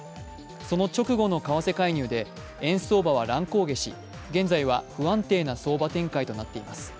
その直後の為替介入で円相場は乱高下し現在は不安定な相場展開となっています。